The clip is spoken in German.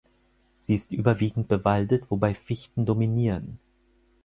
Sie ist überwiegend bewaldet, wobei Fichten dominieren.